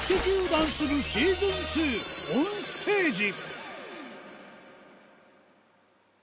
ダンス部シーズン２オンステージ。